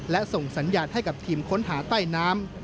และส่งสัญญาณให้กับทีมค้นหาใต้น้ำ